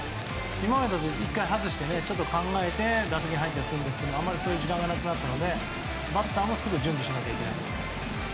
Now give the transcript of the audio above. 今までは１回外して考えて打席に入ったりするんですが時間があまりないのでバッターもすぐ準備しなきゃいけないです。